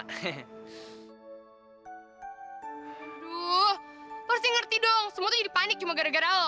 aduh lu harusnya ngerti dong semua itu jadi panik cuma gara gara lo